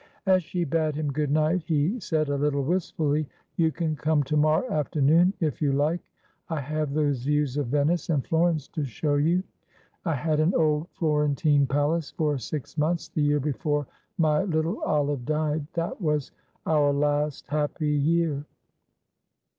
As she bade him good night, he said, a little wistfully, "You can come to morrow afternoon if you like. I have those views of Venice and Florence to show you. I had an old Florentine palace for six months, the year before my little Olive died; that was our last happy year."